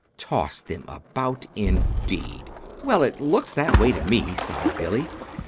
"Toss them about, indeed!" "Well, it looks that way to me," sighed Billy.